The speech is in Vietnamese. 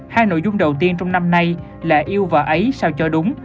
hai nội dung đầu tiên trong năm nay là yêu và ấy sao cho đúng